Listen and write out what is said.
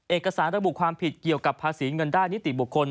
เอกสารระบุความผิดเกี่ยวกับภาษีเงินได้นิติบุคคล